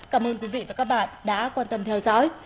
cảm ơn quý vị và các bạn đã quan tâm theo dõi